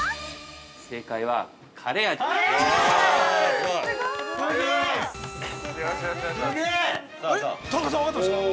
◆正解は、カレー味です。